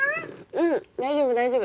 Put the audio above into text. うん大丈夫大丈夫。